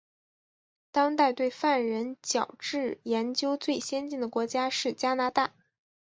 当代对犯人矫治研究最先进的国家是加拿大。